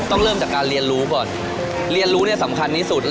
เริ่มจากการเรียนรู้ก่อนเรียนรู้เนี่ยสำคัญที่สุด